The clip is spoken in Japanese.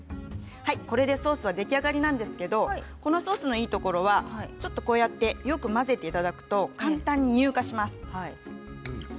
これでソースが出来上がりなんですがこのソースのいいところは簡単に混ぜていただくと簡単に乳化します。